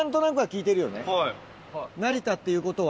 成田っていうことは？